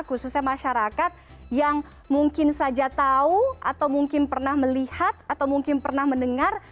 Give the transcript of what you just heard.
khususnya masyarakat yang mungkin saja tahu atau mungkin pernah melihat atau mungkin pernah mendengar